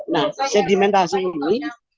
nah sedimentasi ini